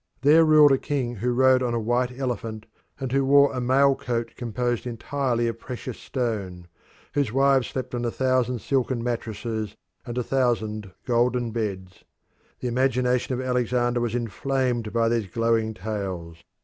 There ruled a king who rode on a white elephant, and who wore a mail coat composed entirely of precious stone; whose wives slept on a thousand silken mattresses and a thousand golden beds. The imagination of Alexander was inflamed by these glowing tales.